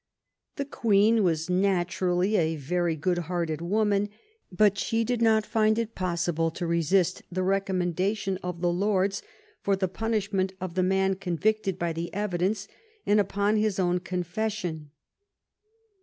The Queen was naturally a very good natured woman, but she did not find it possible to re sist the recommendation of the Lords for the punish ment of the man convicted by the evidence, and upon his own confession.